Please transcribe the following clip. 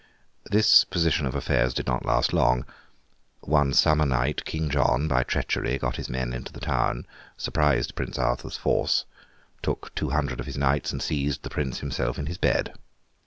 This position of affairs did not last long. One summer night King John, by treachery, got his men into the town, surprised Prince Arthur's force, took two hundred of his knights, and seized the Prince himself in his bed.